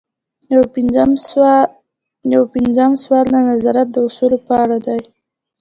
یو پنځوسم سوال د نظارت د اصولو په اړه دی.